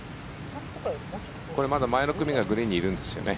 これまだ前の組がグリーンにいるんですよね。